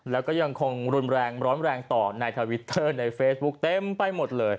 แล้วก็ยังคงรุนแรงร้อนแรงต่อในทวิตเตอร์ในเฟซบุ๊คเต็มไปหมดเลย